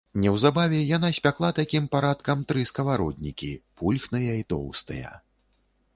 Неўзабаве яна спякла такім парадкам тры скавароднікі, пульхныя і тоўстыя.